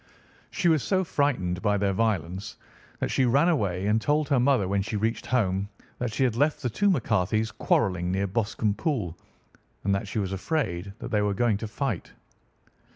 She was so frightened by their violence that she ran away and told her mother when she reached home that she had left the two McCarthys quarrelling near Boscombe Pool, and that she was afraid that they were going to fight.